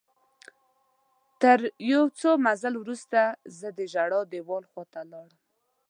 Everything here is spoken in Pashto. تر یو څه مزل وروسته زه د ژړا دیوال خواته لاړم.